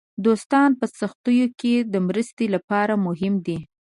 دوستان په سختیو کې د مرستې لپاره مهم دي.